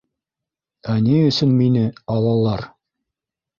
Ә ни өсөн мине... алалар?